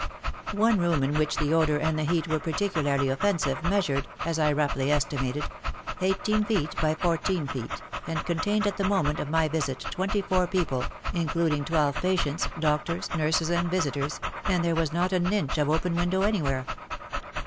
One room in which the odour and the heat were particularly offensive, measured — as I roughly estimated — eighteen feet by fourteen feet, and contained at the moment of my visit 24 people, including 12 patients, doctors, nurses and visitors, and there was not an inch of open window anywhere.